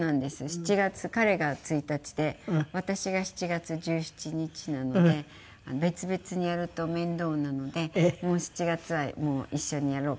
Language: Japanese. ７月彼が１日で私が７月１７日なので別々にやると面倒なので７月はもう一緒にやろうかっていう。